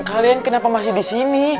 kalian kenapa masih disini